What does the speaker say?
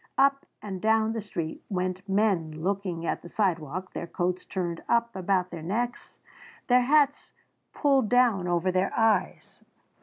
Up and down the street went men looking at the sidewalk, their coats turned up about their necks, their hats pulled down over their eyes.